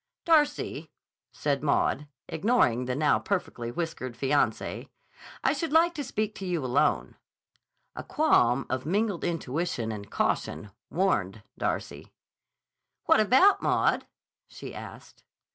"Darcy," said Maud, ignoring the now perfectly whiskered fiance, "I should like to speak to you alone." A qualm of mingled intuition and caution warned Darcy. "What about, Maud?" she asked.